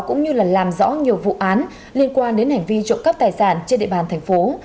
cũng như là làm rõ nhiều vụ án liên quan đến hành vi trộm cắp tài sản trên địa bàn thành phố